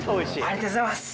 ありがとうございます。